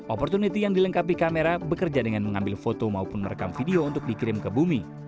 opportunity yang dilengkapi kamera bekerja dengan mengambil foto maupun merekam video untuk dikirim ke bumi